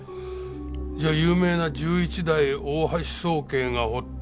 じゃあ有名な１１代大橋宗桂が彫った駒なんか。